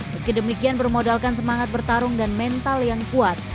meski demikian bermodalkan semangat bertarung dan mental yang kuat